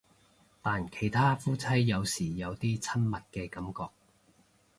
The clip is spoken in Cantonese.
但其他夫妻有時有啲親密嘅感覺